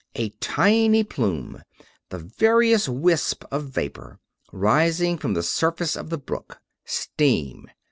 A tiny plume the veriest wisp of vapor, rising from the surface of the brook. Steam!